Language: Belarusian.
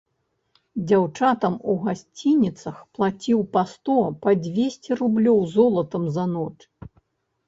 Дзяўчатам у гасцініцах плаціў па сто, па дзвесце рублёў золатам за ноч.